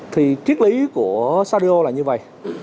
thì triết lý của saudio là như vầy